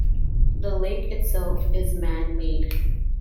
The lake itself is man-made.